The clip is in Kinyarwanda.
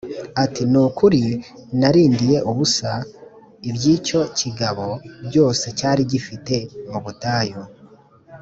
ati “Ni ukuri narindiye ubusa iby’icyo kigabo byose cyari gifite mu butayu